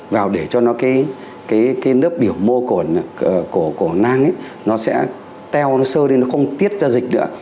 vào để cho nó cái nớp biểu mô cồn của nang nó sẽ teo nó sơ đi nó không tiết ra dịch nữa